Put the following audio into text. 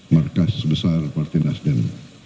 markas besar partai nasdem